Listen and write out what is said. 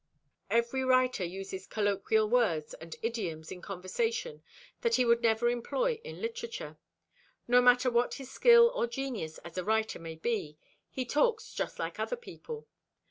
Every writer uses colloquial words and idioms in conversation that he would never employ in literature. No matter what his skill or genius as a writer may be, he talks "just like other people."